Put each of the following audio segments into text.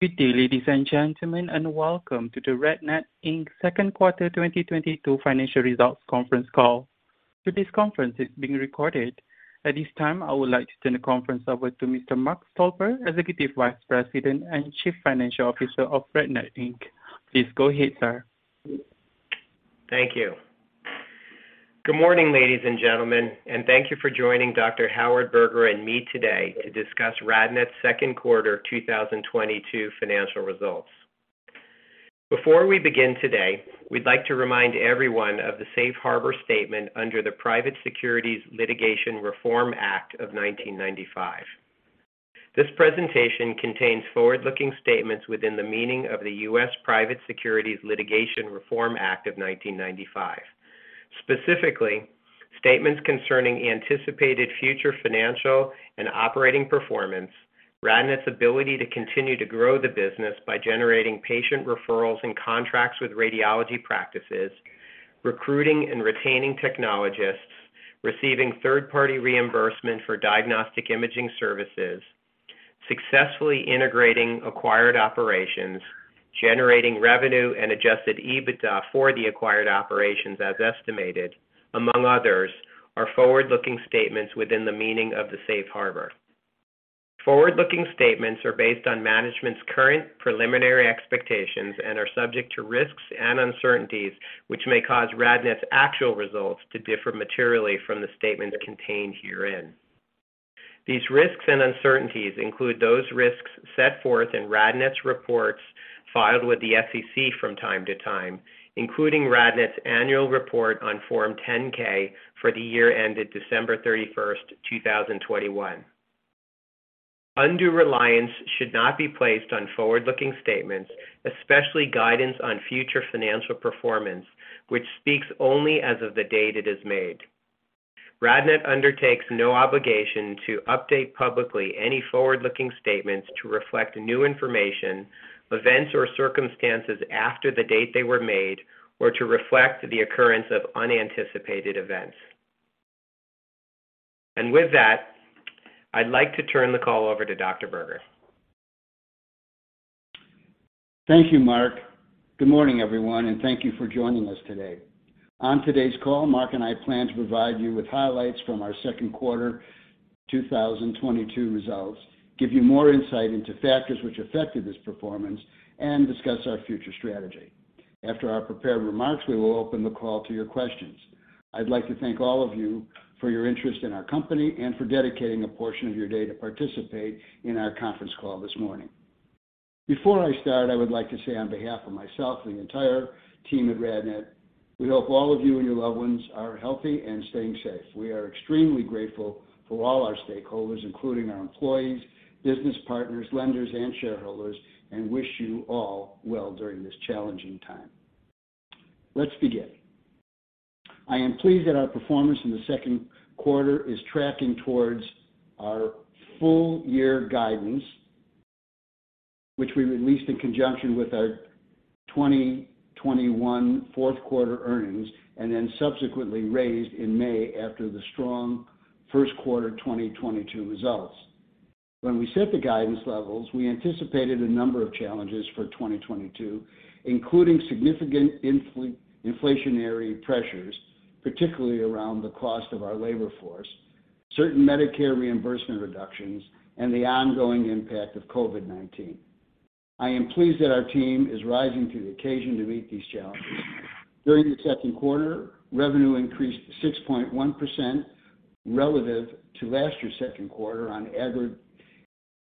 Good day, ladies and gentlemen, and welcome to the RadNet, Inc.'s second quarter 2022 financial results conference call. Today's conference is being recorded. At this time, I would like to turn the conference over to Mr. Mark Stolper, Executive Vice President and Chief Financial Officer of RadNet, Inc. Please go ahead, sir. Thank you. Good morning, ladies and gentlemen, and thank you for joining Dr. Howard Berger and me today to discuss RadNet's second quarter 2022 financial results. Before we begin today, we'd like to remind everyone of the safe harbor statement under the Private Securities Litigation Reform Act of 1995. This presentation contains forward-looking statements within the meaning of the U.S. Private Securities Litigation Reform Act of 1995. Specifically, statements concerning anticipated future financial and operating performance, RadNet's ability to continue to grow the business by generating patient referrals and contracts with radiology practices, recruiting and retaining technologists, receiving third-party reimbursement for diagnostic imaging services, successfully integrating acquired operations, generating revenue and adjusted EBITDA for the acquired operations as estimated, among others, are forward-looking statements within the meaning of the safe harbor. Forward-looking statements are based on management's current preliminary expectations and are subject to risks and uncertainties, which may cause RadNet's actual results to differ materially from the statements contained herein. These risks and uncertainties include those risks set forth in RadNet's reports filed with the SEC from time to time, including RadNet's annual report on Form 10-K for the year ended December 31, 2021. Undue reliance should not be placed on forward-looking statements, especially guidance on future financial performance, which speaks only as of the date it is made. RadNet undertakes no obligation to update publicly any forward-looking statements to reflect new information, events or circumstances after the date they were made, or to reflect the occurrence of unanticipated events. With that, I'd like to turn the call over to Dr. Berger. Thank you, Mark. Good morning, everyone, and thank you for joining us today. On today's call, Mark and I plan to provide you with highlights from our second quarter 2022 results, give you more insight into factors which affected this performance, and discuss our future strategy. After our prepared remarks, we will open the call to your questions. I'd like to thank all of you for your interest in our company and for dedicating a portion of your day to participate in our conference call this morning. Before I start, I would like to say on behalf of myself and the entire team at RadNet, we hope all of you and your loved ones are healthy and staying safe. We are extremely grateful for all our stakeholders, including our employees, business partners, lenders, and shareholders, and wish you all well during this challenging time. Let's begin. I am pleased that our performance in the second quarter is tracking towards our full year guidance, which we released in conjunction with our 2021 fourth quarter earnings and then subsequently raised in May after the strong first quarter 2022 results. When we set the guidance levels, we anticipated a number of challenges for 2022, including significant inflationary pressures, particularly around the cost of our labor force, certain Medicare reimbursement reductions, and the ongoing impact of COVID-19. I am pleased that our team is rising to the occasion to meet these challenges. During the second quarter, revenue increased 6.1% relative to last year's second quarter on aggregate,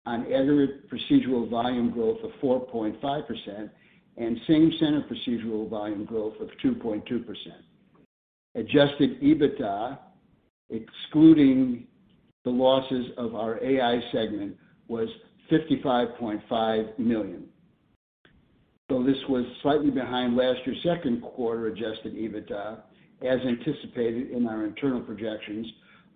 on aggregate procedural volume growth of 4.5% and same-center procedural volume growth of 2.2%. Adjusted EBITDA, excluding the losses of our AI segment, was $55.5 million. This was slightly behind last year's second quarter adjusted EBITDA as anticipated in our internal projections.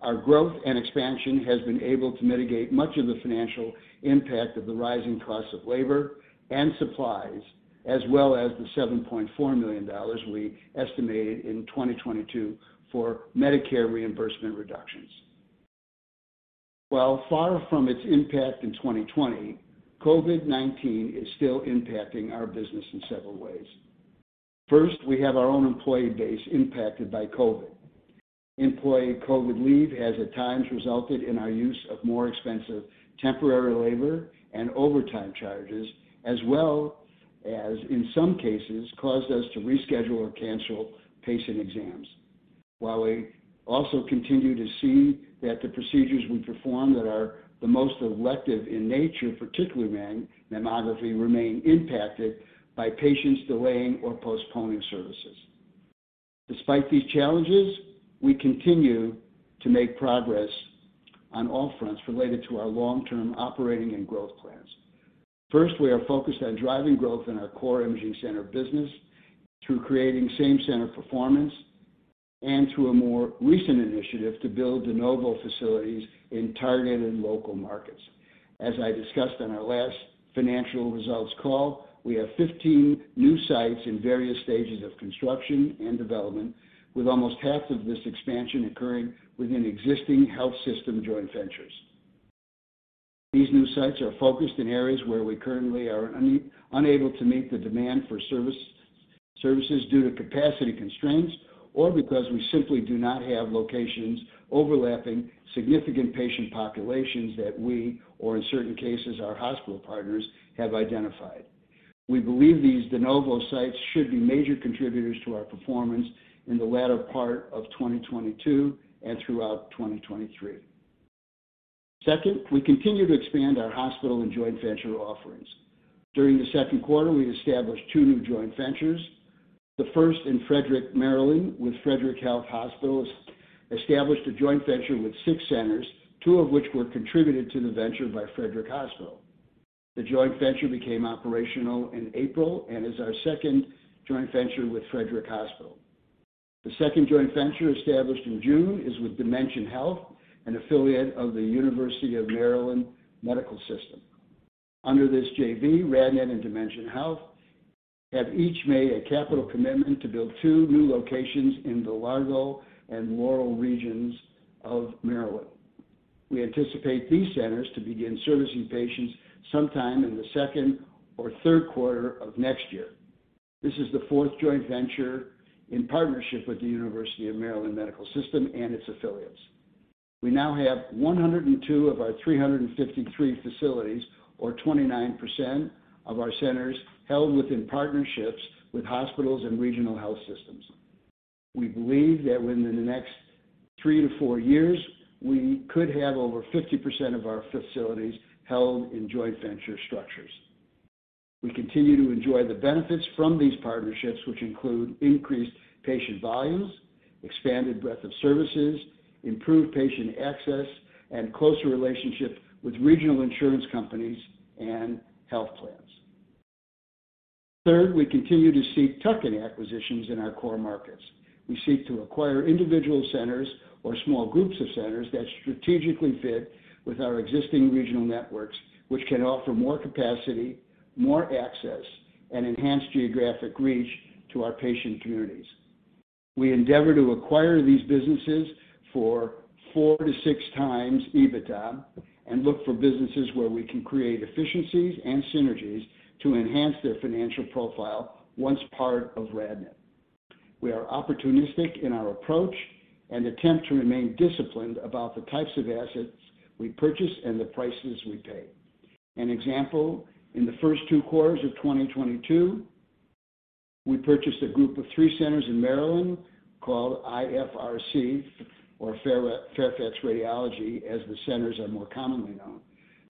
Our growth and expansion has been able to mitigate much of the financial impact of the rising costs of labor and supplies, as well as the $7.4 million we estimated in 2022 for Medicare reimbursement reductions. While far from its impact in 2020, COVID-19 is still impacting our business in several ways. First, we have our own employee base impacted by COVID. Employee COVID leave has at times resulted in our use of more expensive temporary labor and overtime charges, as well as in some cases caused us to reschedule or cancel patient exams. While we also continue to see that the procedures we perform that are the most elective in nature, particularly mammography, remain impacted by patients delaying or postponing services. Despite these challenges, we continue to make progress on all fronts related to our long-term operating and growth plans. First, we are focused on driving growth in our core imaging center business through creating same-center performance and to a more recent initiative to build de novo facilities in targeted local markets. As I discussed on our last financial results call, we have 15 new sites in various stages of construction and development, with almost half of this expansion occurring within existing health system joint ventures. These new sites are focused in areas where we currently are unable to meet the demand for services due to capacity constraints or because we simply do not have locations overlapping significant patient populations that we or in certain cases, our hospital partners have identified. We believe these de novo sites should be major contributors to our performance in the latter part of 2022 and throughout 2023. Second, we continue to expand our hospital and joint venture offerings. During the second quarter, we established two new joint ventures. The first in Frederick, Maryland, with Frederick Health Hospital, established a joint venture with six centers, two of which were contributed to the venture by Frederick Health Hospital. The joint venture became operational in April and is our second joint venture with Frederick Health Hospital. The second joint venture, established in June, is with Dimension Health, an affiliate of the University of Maryland Medical System. Under this JV, RadNet and Dimension Health have each made a capital commitment to build two new locations in the Largo and Laurel regions of Maryland. We anticipate these centers to begin servicing patients sometime in the second or third quarter of next year. This is the fourth joint venture in partnership with the University of Maryland Medical System and its affiliates. We now have 102 of our 353 facilities or 29% of our centers held within partnerships with hospitals and regional health systems. We believe that within the next three to four years, we could have over 50% of our facilities held in joint venture structures. We continue to enjoy the benefits from these partnerships, which include increased patient volumes, expanded breadth of services, improved patient access, and closer relationships with regional insurance companies and health plans. Third, we continue to seek tuck-in acquisitions in our core markets. We seek to acquire individual centers or small groups of centers that strategically fit with our existing regional networks, which can offer more capacity, more access, and enhanced geographic reach to our patient communities. We endeavor to acquire these businesses for four to six times EBITDA and look for businesses where we can create efficiencies and synergies to enhance their financial profile once part of RadNet. We are opportunistic in our approach and attempt to remain disciplined about the types of assets we purchase and the prices we pay. An example, in the first two quarters of 2022, we purchased a group of three centers in Maryland called IFRC or Fairfax Radiology, as the centers are more commonly known.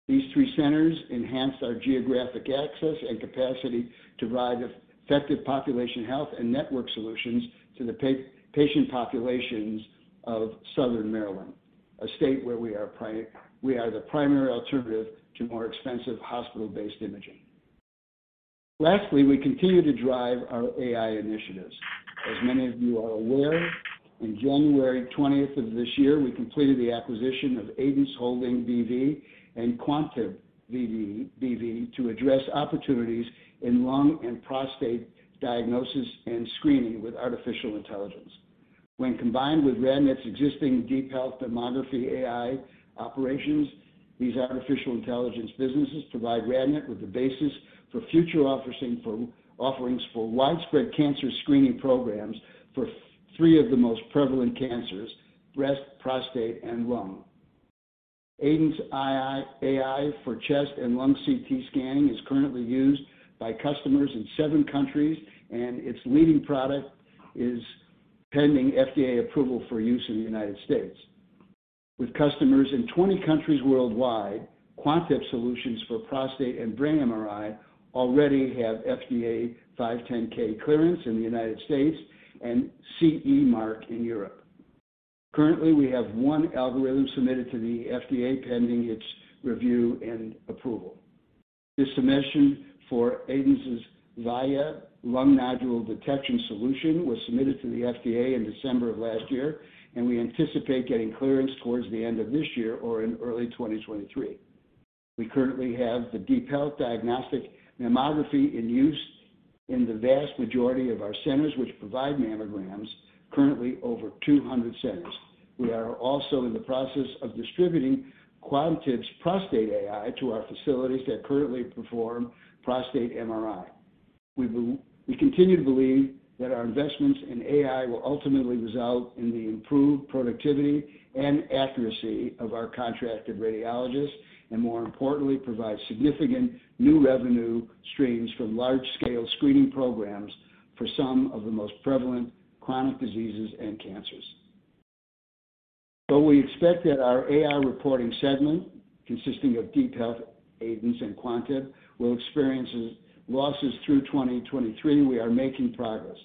These three centers enhance our geographic access and capacity to provide effective population health and network solutions to the patient populations of Southern Maryland, a state where we are the primary alternative to more expensive hospital-based imaging. Lastly, we continue to drive our AI initiatives. As many of you are aware, on January twentieth of this year, we completed the acquisition of Aidence Holding B.V. and Quantib B.V. to address opportunities in lung and prostate diagnosis and screening with artificial intelligence. When combined with RadNet's existing DeepHealth demographic AI operations, these artificial intelligence businesses provide RadNet with the basis for future offerings for widespread cancer screening programs for three of the most prevalent cancers, breast, prostate, and lung. Aidence AI for chest and lung CT scanning is currently used by customers in seven countries, and its leading product is pending FDA approval for use in the United States. With customers in 20 countries worldwide, Quantib solutions for prostate and brain MRI already have FDA 510(k) clearance in the United States and CE mark in Europe. Currently, we have 1 algorithm submitted to the FDA pending its review and approval. This submission for Aidence's Veye lung nodule detection solution was submitted to the FDA in December of last year, and we anticipate getting clearance towards the end of this year or in early 2023. We currently have the DeepHealth diagnostic mammography in use in the vast majority of our centers which provide mammograms, currently over 200 centers. We are also in the process of distributing Quantib's prostate AI to our facilities that currently perform prostate MRI. We continue to believe that our investments in AI will ultimately result in the improved productivity and accuracy of our contracted radiologists and, more importantly, provide significant new revenue streams from large-scale screening programs for some of the most prevalent chronic diseases and cancers. Though we expect that our AI reporting segment, consisting of DeepHealth, Aidence, and Quantib, will experience losses through 2023, we are making progress.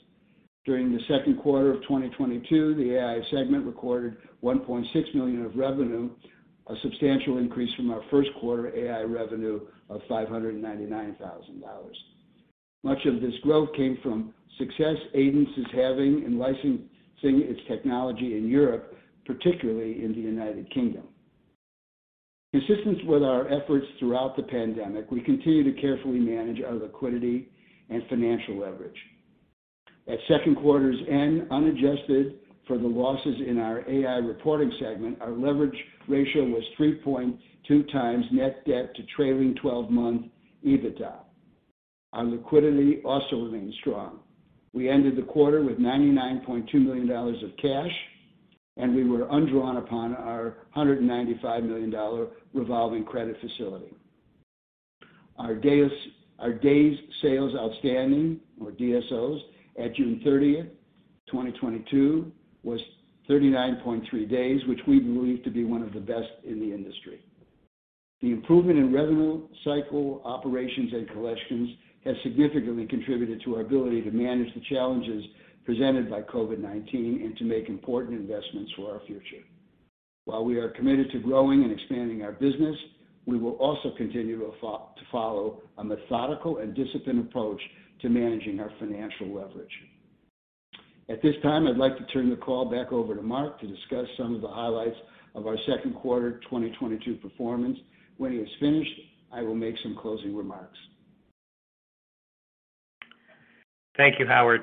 During the second quarter of 2022, the AI segment recorded $1.6 million of revenue, a substantial increase from our first quarter AI revenue of $599,000. Much of this growth came from success Aidence is having in licensing its technology in Europe, particularly in the United Kingdom. Consistent with our efforts throughout the pandemic, we continue to carefully manage our liquidity and financial leverage. At second quarter's end, unadjusted for the losses in our AI reporting segment, our leverage ratio was 3.2x net debt to trailing twelve-month EBITDA. Our liquidity also remains strong. We ended the quarter with $99.2 million of cash, and we were undrawn upon our $195 million revolving credit facility. Our days sales outstanding, or DSOs at June 30, 2022 was 39.3 days, which we believe to be one of the best in the industry. The improvement in revenue, cycle, operations, and collections has significantly contributed to our ability to manage the challenges presented by COVID-19 and to make important investments for our future. While we are committed to growing and expanding our business, we will also continue to follow a methodical and disciplined approach to managing our financial leverage. At this time, I'd like to turn the call back over to Mark to discuss some of the highlights of our second quarter 2022 performance. When he is finished, I will make some closing remarks. Thank you, Howard.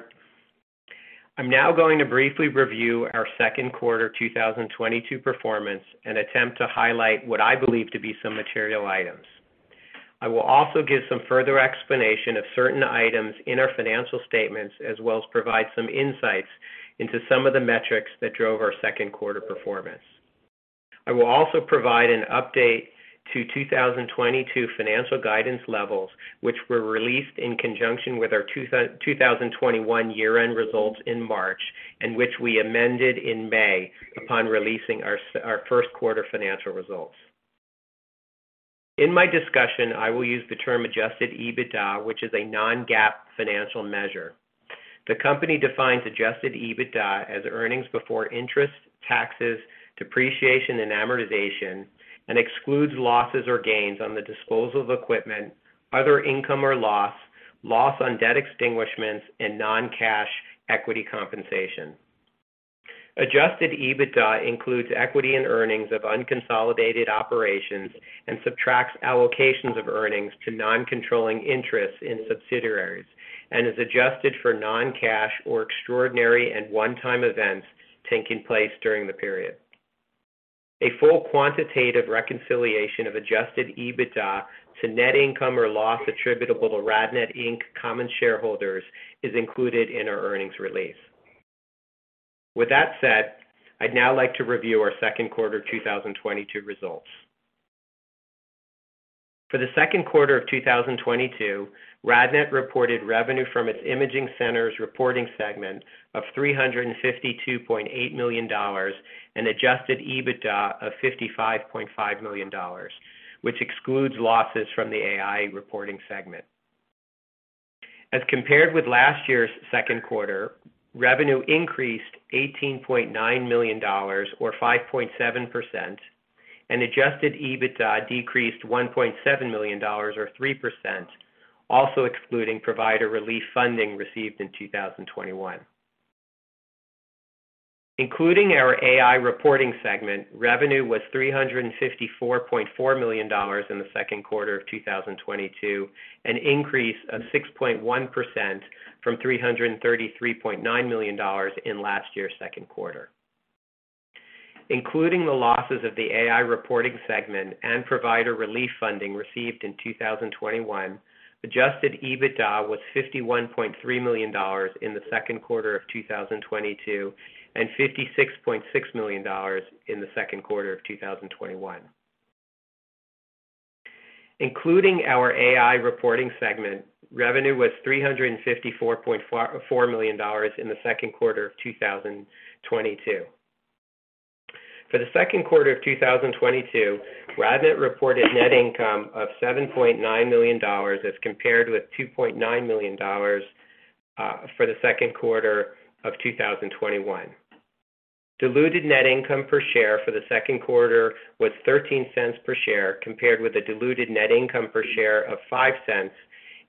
I'm now going to briefly review our second quarter 2022 performance and attempt to highlight what I believe to be some material items. I will also give some further explanation of certain items in our financial statements, as well as provide some insights into some of the metrics that drove our second quarter performance. I will also provide an update to 2022 financial guidance levels, which were released in conjunction with our two thousand twenty-one year-end results in March, and which we amended in May upon releasing our our first quarter financial results. In my discussion, I will use the term adjusted EBITDA, which is a non-GAAP financial measure. The company defines adjusted EBITDA as earnings before interest, taxes, depreciation, and amortization, and excludes losses or gains on the disposal of equipment, other income or loss on debt extinguishments, and non-cash equity compensation. Adjusted EBITDA includes equity and earnings of unconsolidated operations and subtracts allocations of earnings to non-controlling interests in subsidiaries and is adjusted for non-cash or extraordinary and one-time events taking place during the period. A full quantitative reconciliation of adjusted EBITDA to net income or loss attributable to RadNet, Inc. common shareholders is included in our earnings release. With that said, I'd now like to review our second quarter 2022 results. For the second quarter of 2022, RadNet reported revenue from its imaging centers reporting segment of $352.8 million and adjusted EBITDA of $55.5 million, which excludes losses from the AI reporting segment. As compared with last year's second quarter, revenue increased $18.9 million or 5.7%, and adjusted EBITDA decreased $1.7 million or 3%, also excluding provider relief funding received in 2021. Including our AI reporting segment, revenue was $354.4 million in the second quarter of 2022, an increase of 6.1% from $333.9 million in last year's second quarter. Including the losses of the AI reporting segment and provider relief funding received in 2021, adjusted EBITDA was $51.3 million in the second quarter of 2022, and $56.6 million in the second quarter of 2021. Including our AI reporting segment, revenue was $354.4 million in the second quarter of 2022. For the second quarter of 2022, RadNet reported net income of $7.9 million as compared with $2.9 million for the second quarter of 2021. Diluted net income per share for the second quarter was $0.13 per share, compared with a diluted net income per share of $0.05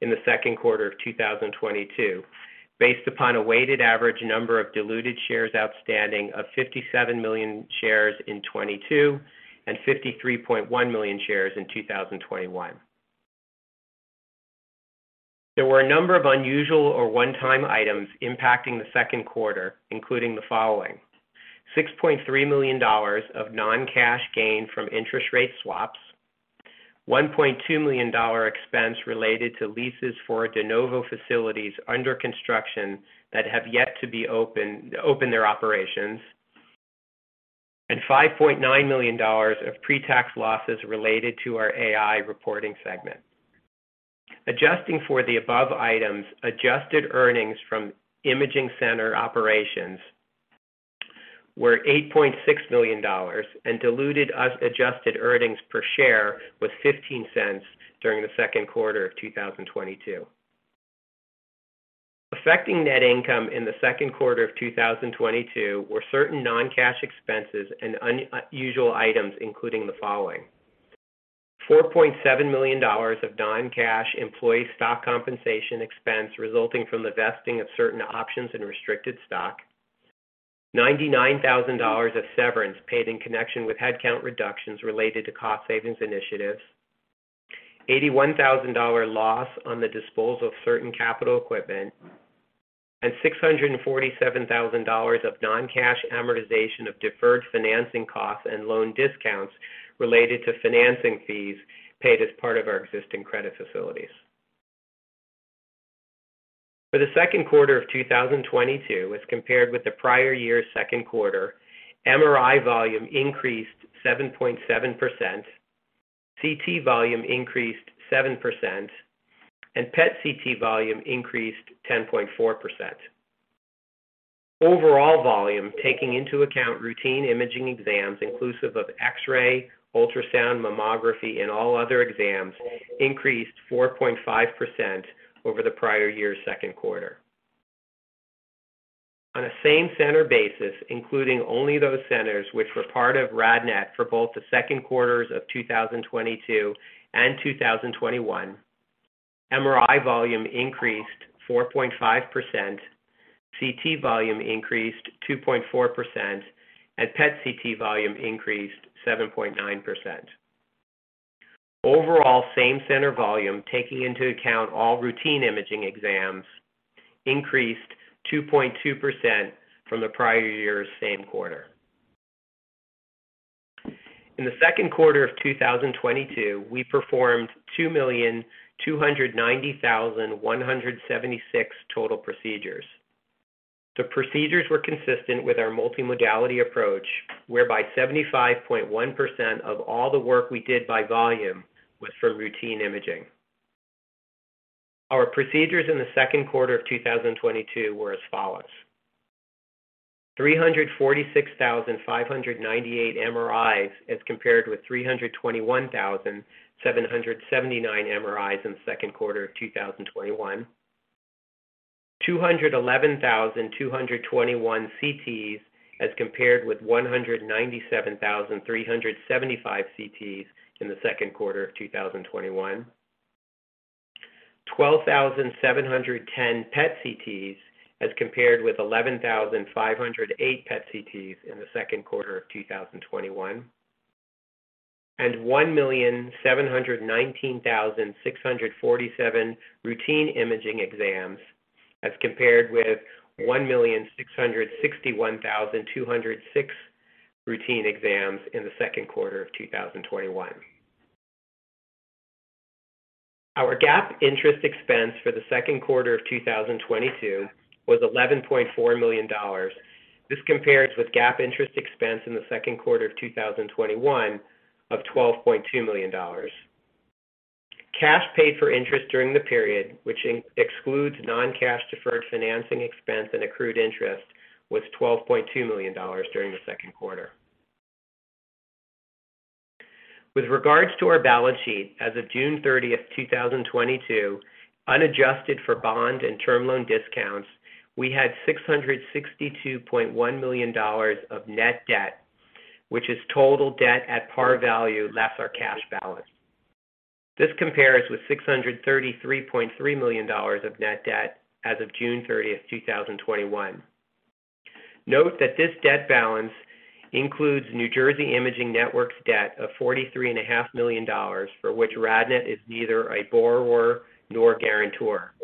in the second quarter of 2022, based upon a weighted average number of diluted shares outstanding of 57 million shares in 2022 and 53.1 million shares in 2021. There were a number of unusual or one-time items impacting the second quarter, including the following, $6.3 million of non-cash gain from interest rate swaps, $1.2 million expense related to leases for de novo facilities under construction that have yet to be open their operations, and $5.9 million of pre-tax losses related to our AI reporting segment. Adjusting for the above items, adjusted earnings from imaging center operations were $8.6 million, and diluted as adjusted earnings per share was $0.15 during the second quarter of 2022. Affecting net income in the second quarter of 2022 were certain non-cash expenses and unusual items, including the following. $4.7 million of non-cash employee stock compensation expense resulting from the vesting of certain options and restricted stock, $99,000 of severance paid in connection with headcount reductions related to cost savings initiatives. $81,000 loss on the disposal of certain capital equipment and $647,000 of non-cash amortization of deferred financing costs and loan discounts related to financing fees paid as part of our existing credit facilities. For the second quarter of 2022 as compared with the prior year's second quarter, MRI volume increased 7.7%, CT volume increased 7%, and PET/CT volume increased 10.4%. Overall volume, taking into account routine imaging exams inclusive of X-ray, ultrasound, mammography and all other exams, increased 4.5% over the prior year's second quarter. On a same-center basis, including only those centers which were part of RadNet for both the second quarters of 2022 and 2021, MRI volume increased 4.5%, CT volume increased 2.4%, and PET/CT volume increased 7.9%. Overall same-center volume, taking into account all routine imaging exams, increased 2.2% from the prior year's same quarter. In the second quarter of 2022, we performed 2,290,176 total procedures. The procedures were consistent with our multimodality approach, whereby 75.1% of all the work we did by volume was for routine imaging. Our procedures in the second quarter of 2022 were as follows. 346,598 MRIs as compared with 321,779 MRIs in the second quarter of 2021. 211,221 CTs as compared with 197,375 CTs in the second quarter of 2021. 12,710 PET/CTs as compared with 11,508 PET/CTs in the second quarter of 2021. 1,719,647 routine imaging exams as compared with 1,661,206 routine exams in the second quarter of 2021. Our GAAP interest expense for the second quarter of 2022 was $11.4 million. This compares with GAAP interest expense in the second quarter of 2021 of $12.2 million. Cash paid for interest during the period, which excludes non-cash deferred financing expense and accrued interest, was $12.2 million during the second quarter. With regards to our balance sheet, as of June 30, 2022, unadjusted for bond and term loan discounts, we had $662.1 million of net debt, which is total debt at par value less our cash balance. This compares with $633.3 million of net debt as of June 30, 2021. Note that this debt balance includes New Jersey Imaging Network's debt of $43.5 million, for which RadNet is neither a borrower nor guarantor.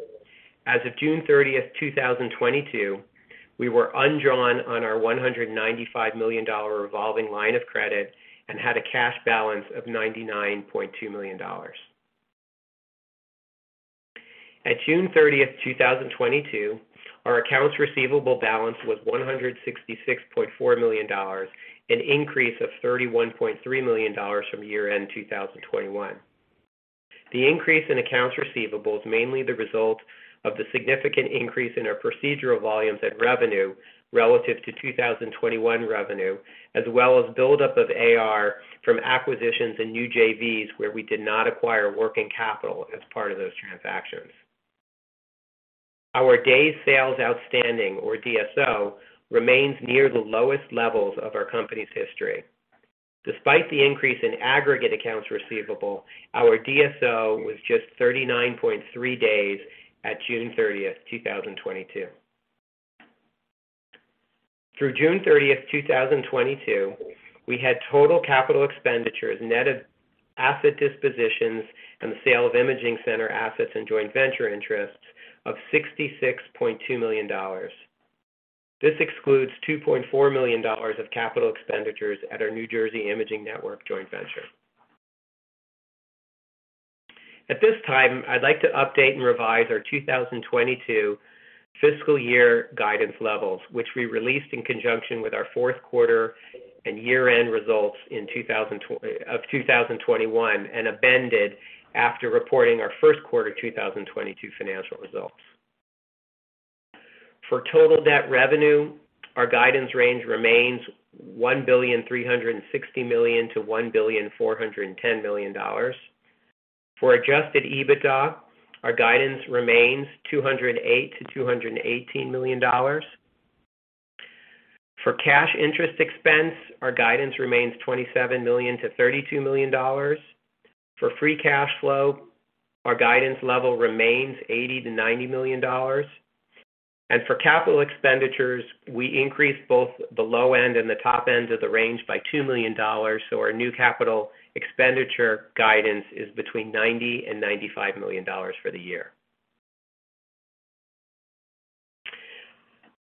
As of June 30, 2022, we were undrawn on our $195 million revolving line of credit and had a cash balance of $99.2 million. At June 30, 2022, our accounts receivable balance was $166.4 million, an increase of $31.3 million from year-end 2021. The increase in accounts receivable is mainly the result of the significant increase in our procedural volumes and revenue relative to 2021 revenue, as well as buildup of AR from acquisitions and new JVs where we did not acquire working capital as part of those transactions. Our days sales outstanding, or DSO, remains near the lowest levels of our company's history. Despite the increase in aggregate accounts receivable, our DSO was just 39.3 days at June 30, 2022. Through June 30, 2022, we had total capital expenditures, net of asset dispositions and the sale of imaging center assets and joint venture interests of $66.2 million. This excludes $20.4 million of capital expenditures at our New Jersey Imaging Network joint venture. At this time, I'd like to update and revise our 2022 fiscal year guidance levels, which we released in conjunction with our fourth quarter and year-end results of 2021 and amended after reporting our first quarter 2022 financial results. For total net revenue, our guidance range remains $1.36 billion-$1.41 billion. For adjusted EBITDA, our guidance remains $208 million-$218 million. For cash interest expense, our guidance remains $27 million-$32 million. For free cash flow, our guidance level remains $80 million-$90 million. For capital expenditures, we increased both the low end and the top end of the range by $2 million. Our new capital expenditure guidance is between $90 million-$95 million for the year.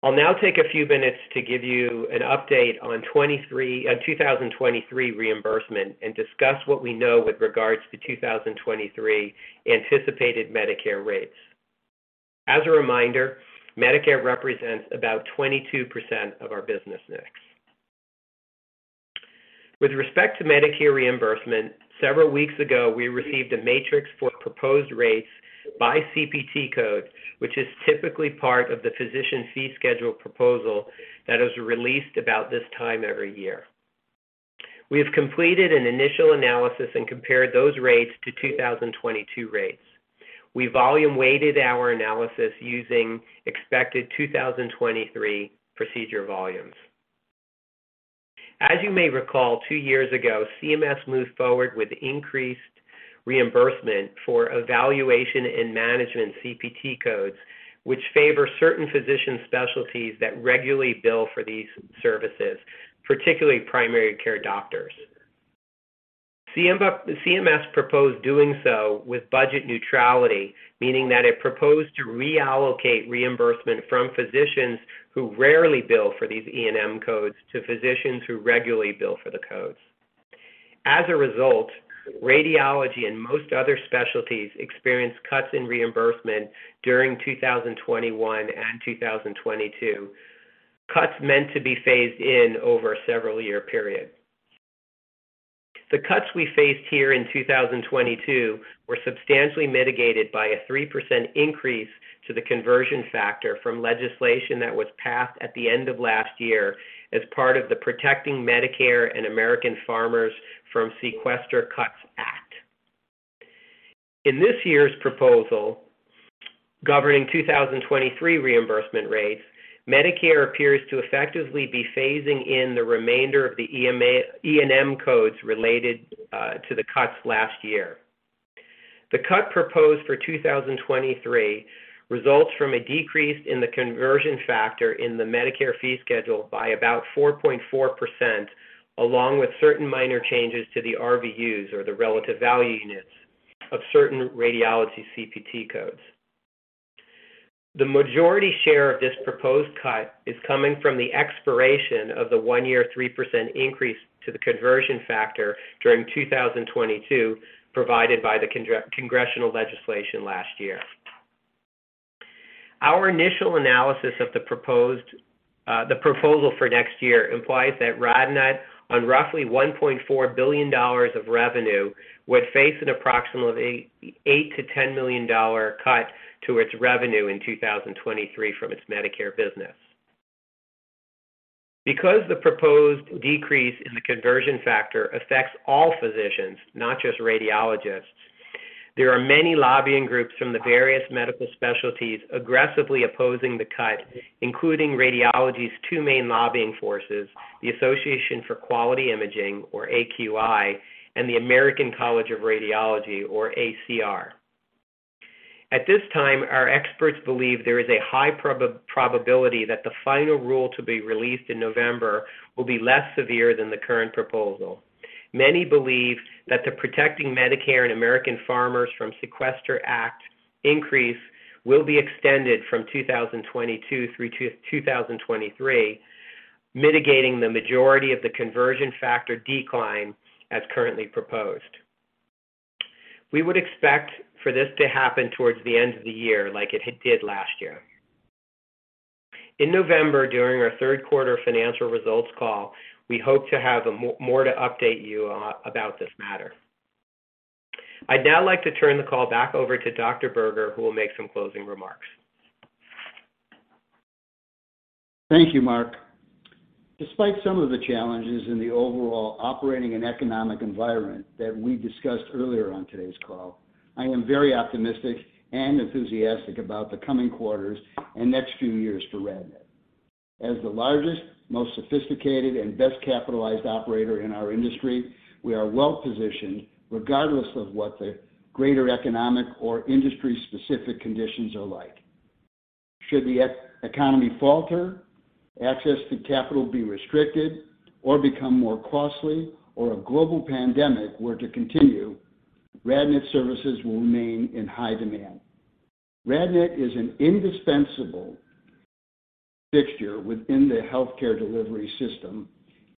I'll now take a few minutes to give you an update on 2023 reimbursement and discuss what we know with regards to 2023 anticipated Medicare rates. As a reminder, Medicare represents about 22% of our business mix. With respect to Medicare reimbursement, several weeks ago, we received a matrix for proposed rates by CPT codes, which is typically part of the physician fee schedule proposal that is released about this time every year. We have completed an initial analysis and compared those rates to 2022 rates. We volume weighted our analysis using expected 2023 procedure volumes. As you may recall, two years ago, CMS moved forward with increased reimbursement for evaluation and management CPT codes, which favor certain physician specialties that regularly bill for these services, particularly primary care doctors. CMS proposed doing so with budget neutrality, meaning that it proposed to reallocate reimbursement from physicians who rarely bill for these E&M codes to physicians who regularly bill for the codes. As a result, radiology and most other specialties experienced cuts in reimbursement during 2021 and 2022. Cuts meant to be phased in over a several-year period. The cuts we faced here in 2022 were substantially mitigated by a 3% increase to the conversion factor from legislation that was passed at the end of last year as part of the Protecting Medicare and American Farmers from Sequester Cuts Act. In this year's proposal governing 2023 reimbursement rates, Medicare appears to effectively be phasing in the remainder of the E&M codes related to the cuts last year. The cut proposed for 2023 results from a decrease in the conversion factor in the Medicare fee schedule by about 4.4%, along with certain minor changes to the RVUs or the relative value units of certain radiology CPT codes. The majority share of this proposed cut is coming from the expiration of the one-year 3% increase to the conversion factor during 2022 provided by the congressional legislation last year. Our initial analysis of the proposal for next year implies that RadNet, on roughly $1.4 billion of revenue, would face an approximately $8 million-$10 million cut to its revenue in 2023 from its Medicare business. Because the proposed decrease in the conversion factor affects all physicians, not just radiologists, there are many lobbying groups from the various medical specialties aggressively opposing the cut, including radiology's two main lobbying forces, the Association for Quality Imaging, or AQI, and the American College of Radiology, or ACR. At this time, our experts believe there is a high probability that the final rule to be released in November will be less severe than the current proposal. Many believe that the Protecting Medicare and American Farmers from Sequester Cuts Act increase will be extended from 2022 through 2023, mitigating the majority of the conversion factor decline as currently proposed. We would expect for this to happen towards the end of the year, like it did last year. In November, during our third quarter financial results call, we hope to have more to update you about this matter. I'd now like to turn the call back over to Dr. Berger, who will make some closing remarks. Thank you, Mark. Despite some of the challenges in the overall operating and economic environment that we discussed earlier on today's call, I am very optimistic and enthusiastic about the coming quarters and next few years for RadNet. As the largest, most sophisticated, and best capitalized operator in our industry, we are well positioned regardless of what the greater economic or industry-specific conditions are like. Should the economy falter, access to capital be restricted or become more costly, or a global pandemic were to continue, RadNet services will remain in high demand. RadNet is an indispensable fixture within the healthcare delivery system,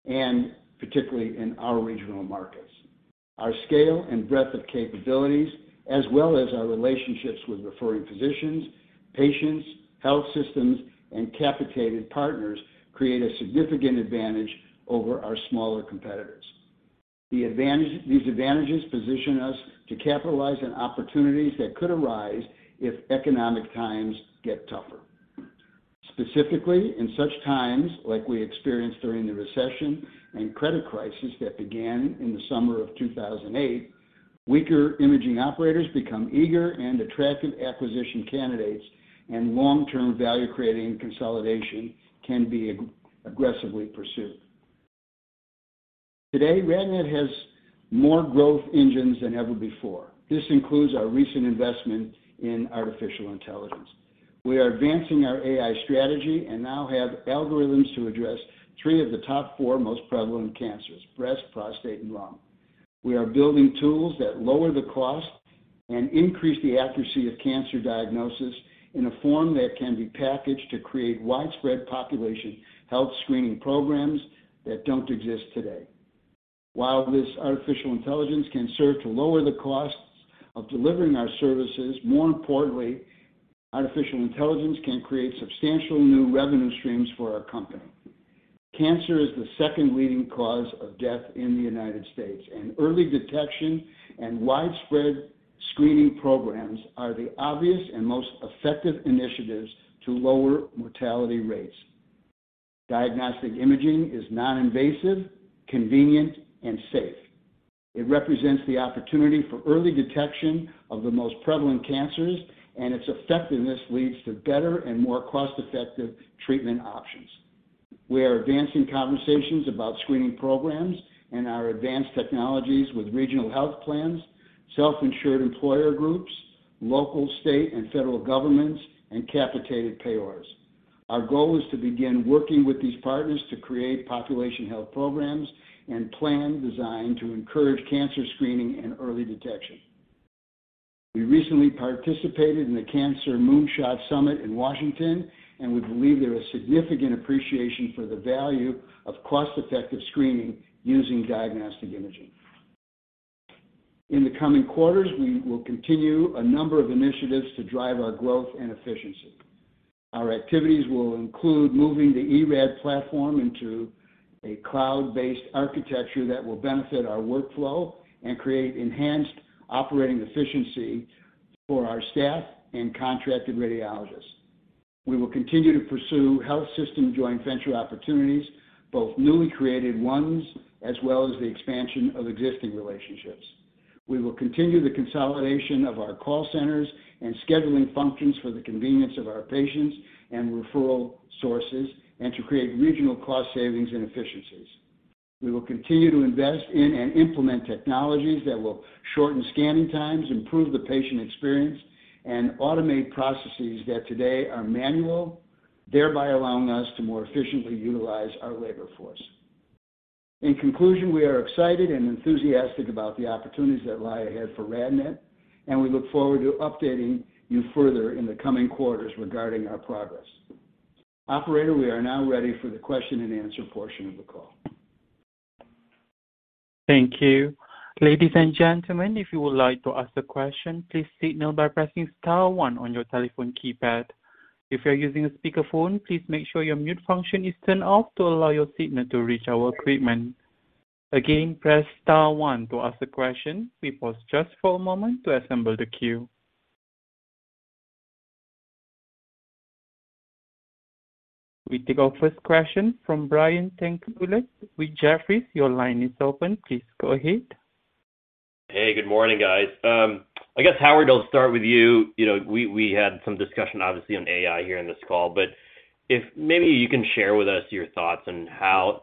and particularly in our regional markets. Our scale and breadth of capabilities, as well as our relationships with referring physicians, patients, health systems, and capitated partners, create a significant advantage over our smaller competitors. These advantages position us to capitalize on opportunities that could arise if economic times get tougher. Specifically, in such times, like we experienced during the recession and credit crisis that began in the summer of 2008, weaker imaging operators become eager and attractive acquisition candidates, and long-term value creating consolidation can be aggressively pursued. Today, RadNet has more growth engines than ever before. This includes our recent investment in artificial intelligence. We are advancing our AI strategy and now have algorithms to address three of the top four most prevalent cancers, breast, prostate, and lung. We are building tools that lower the cost and increase the accuracy of cancer diagnosis in a form that can be packaged to create widespread population health screening programs that don't exist today. While this artificial intelligence can serve to lower the costs of delivering our services, more importantly, artificial intelligence can create substantial new revenue streams for our company. Cancer is the second leading cause of death in the United States, and early detection and widespread screening programs are the obvious and most effective initiatives to lower mortality rates. Diagnostic imaging is non-invasive, convenient, and safe. It represents the opportunity for early detection of the most prevalent cancers, and its effectiveness leads to better and more cost-effective treatment options. We are advancing conversations about screening programs and our advanced technologies with regional health plans, self-insured employer groups, local, state, and federal governments, and capitated payers. Our goal is to begin working with these partners to create population health programs and plan design to encourage cancer screening and early detection. We recently participated in the Cancer Moonshot Summit in Washington, and we believe there is significant appreciation for the value of cost-effective screening using diagnostic imaging. In the coming quarters, we will continue a number of initiatives to drive our growth and efficiency. Our activities will include moving the eRAD platform into a cloud-based architecture that will benefit our workflow and create enhanced operating efficiency for our staff and contracted radiologists. We will continue to pursue health system joint venture opportunities, both newly created ones as well as the expansion of existing relationships. We will continue the consolidation of our call centers and scheduling functions for the convenience of our patients and referral sources, and to create regional cost savings and efficiencies. We will continue to invest in and implement technologies that will shorten scanning times, improve the patient experience, and automate processes that today are manual, thereby allowing us to more efficiently utilize our labor force. In conclusion, we are excited and enthusiastic about the opportunities that lie ahead for RadNet, and we look forward to updating you further in the coming quarters regarding our progress. Operator, we are now ready for the question and answer portion of the call. Thank you. Ladies and gentlemen, if you would like to ask a question, please signal by pressing star one on your telephone keypad. If you're using a speakerphone, please make sure your mute function is turned off to allow your signal to reach our equipment. Again, press star one to ask a question. We pause just for a moment to assemble the queue. We take our first question from Brian Tanquilut with Jefferies. Your line is open. Please go ahead. Hey, good morning, guys. I guess, Howard, I'll start with you. You know, we had some discussion obviously on AI here on this call, but if maybe you can share with us your thoughts on how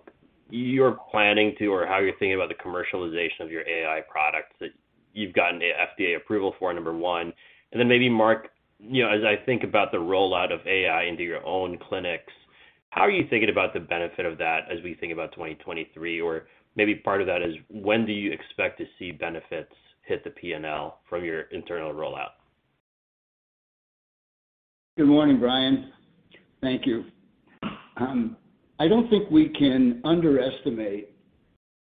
you're planning to or how you're thinking about the commercialization of your AI products that you've gotten the FDA approval for, number one. Then maybe, Mark, you know, as I think about the rollout of AI into your own clinics, how are you thinking about the benefit of that as we think about 2023? Maybe part of that is, when do you expect to see benefits hit the P&L from your internal rollout? Good morning, Brian. Thank you. I don't think we can underestimate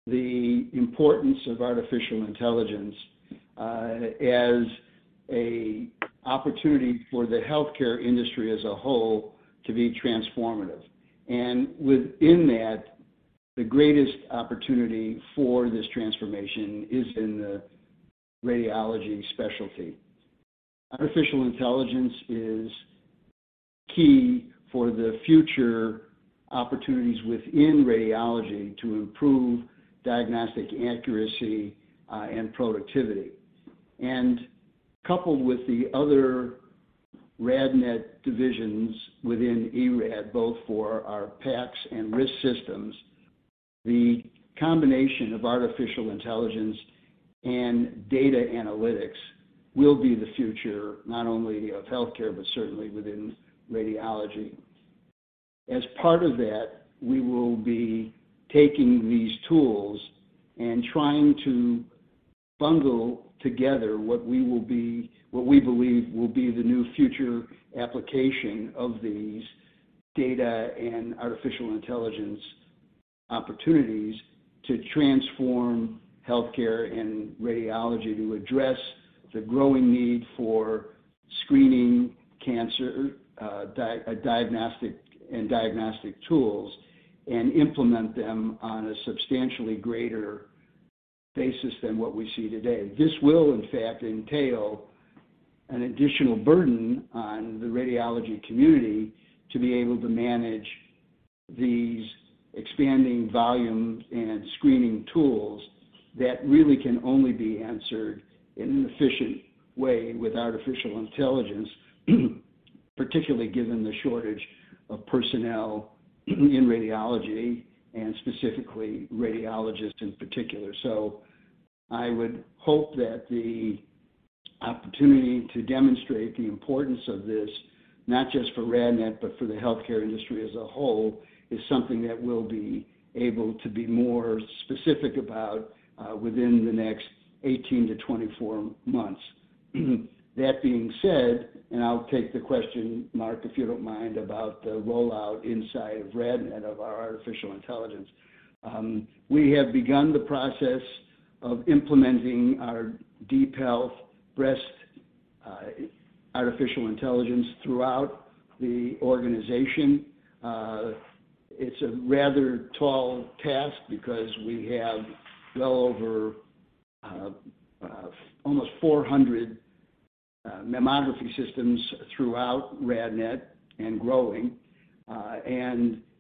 the importance of artificial intelligence as an opportunity for the healthcare industry as a whole to be transformative. Within that, the greatest opportunity for this transformation is in the radiology specialty. Artificial intelligence is key for the future opportunities within radiology to improve diagnostic accuracy and productivity. Coupled with the other RadNet divisions within eRAD, both for our PACS and RIS systems, the combination of artificial intelligence and data analytics will be the future not only of healthcare, but certainly within radiology. As part of that, we will be taking these tools and trying to bundle together what we believe will be the new future application of these data and artificial intelligence opportunities to transform healthcare and radiology to address the growing need for screening cancer, diagnostic and diagnostic tools, and implement them on a substantially greater basis than what we see today. This will in fact entail an additional burden on the radiology community to be able to manage these expanding volumes and screening tools. That really can only be answered in an efficient way with artificial intelligence, particularly given the shortage of personnel in radiology, and specifically radiologists in particular. I would hope that the opportunity to demonstrate the importance of this, not just for RadNet, but for the healthcare industry as a whole, is something that we'll be able to be more specific about within the next 18 to 24 months. That being said, I'll take the question, Mark, if you don't mind, about the rollout inside of RadNet of our artificial intelligence. We have begun the process of implementing our DeepHealth breast artificial intelligence throughout the organization. It's a rather tall task because we have well over almost 400 mammography systems throughout RadNet and growing.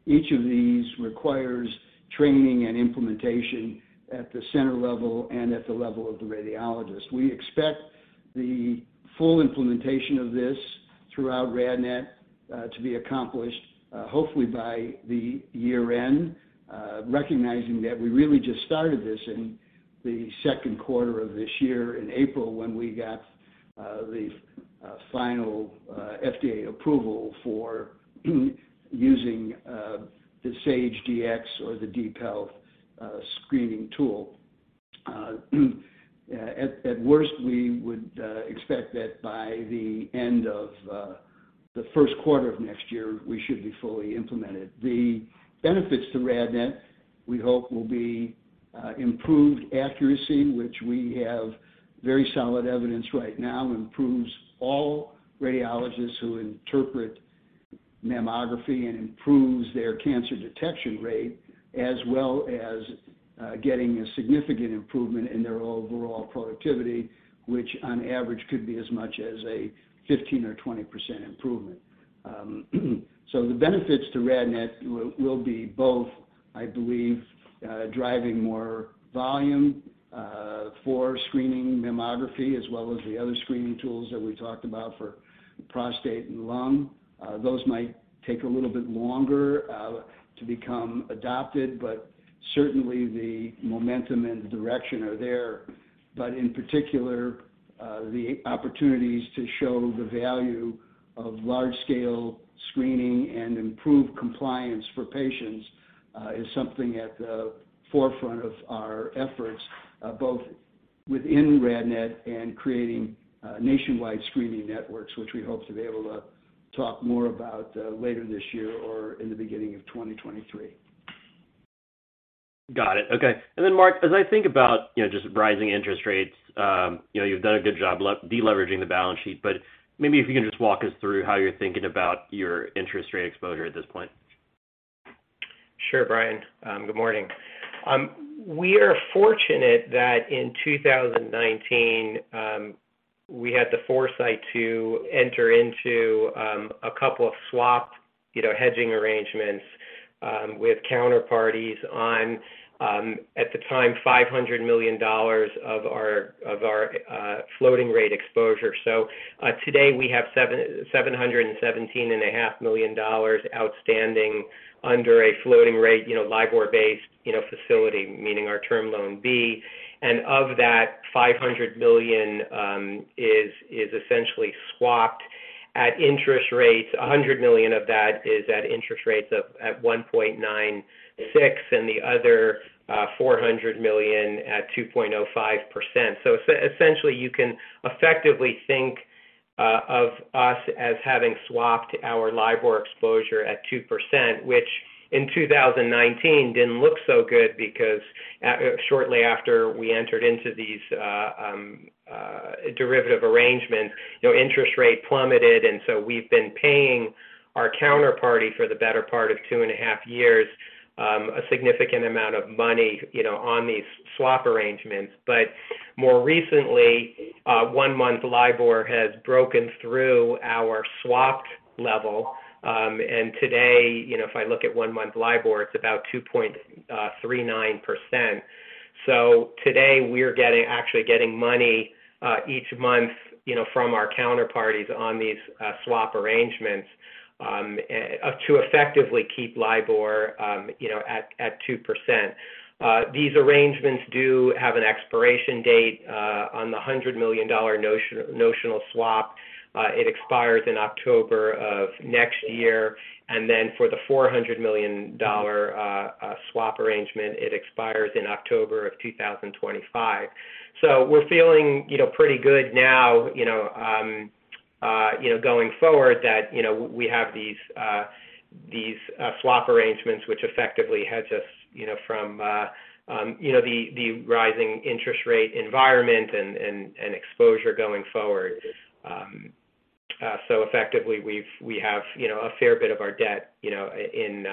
Each of these requires training and implementation at the center level and at the level of the radiologist. We expect the full implementation of this throughout RadNet to be accomplished, hopefully by the year-end, recognizing that we really just started this in the second quarter of this year in April when we got the final FDA approval for using the Saige-Dx or the DeepHealth screening tool. At worst we would expect that by the end of the first quarter of next year, we should be fully implemented. The benefits to RadNet, we hope, will be improved accuracy, which we have very solid evidence right now improves all radiologists who interpret mammography and improves their cancer detection rate, as well as getting a significant improvement in their overall productivity, which on average could be as much as a 15% or 20% improvement. The benefits to RadNet will be both, I believe, driving more volume for screening mammography as well as the other screening tools that we talked about for prostate and lung. Those might take a little bit longer to become adopted, but certainly the momentum and the direction are there. In particular, the opportunities to show the value of large scale screening and improved compliance for patients is something at the forefront of our efforts both within RadNet and creating nationwide screening networks, which we hope to be able to talk more about later this year or in the beginning of 2023. Got it. Okay. Mark, as I think about, you know, just rising interest rates, you know, you've done a good job deleveraging the balance sheet, but maybe if you can just walk us through how you're thinking about your interest rate exposure at this point. Sure, Brian. Good morning. We are fortunate that in 2019, we had the foresight to enter into a couple of swap, you know, hedging arrangements with counterparties on, at the time, $500 million of our floating rate exposure. Today we have $717.5 million outstanding under a floating rate, you know, LIBOR-based, you know, facility, meaning our Term Loan B. Of that, $500 million is essentially swapped at interest rates. $100 million of that is at interest rates of 1.96%, and the other $400 million at 2.05%. Essentially, you can effectively think of us as having swapped our LIBOR exposure at 2%, which in 2019 didn't look so good because shortly after we entered into these derivative arrangements, you know, interest rate plummeted. We've been paying our counterparty for the better part of 2.5 years a significant amount of money, you know, on these swap arrangements. More recently, one-month LIBOR has broken through our swapped level. Today, you know, if I look at one-month LIBOR, it's about 2.39%. Today, we're getting, actually getting money each month, you know, from our counterparties on these swap arrangements to effectively keep LIBOR at 2%. These arrangements do have an expiration date on the $100 million notional swap. It expires in October of next year. Then for the $400 million swap arrangement, it expires in October 2025. We're feeling, you know, pretty good now, you know, going forward that, you know, we have these swap arrangements, which effectively hedge us, you know, from the rising interest rate environment and exposure going forward. Effectively, we have, you know, a fair bit of our debt, you know, in